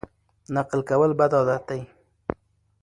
نقل کول بد عادت دی.